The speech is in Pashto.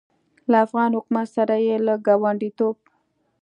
له افغان حکومت سره یې له ګاونډیتوب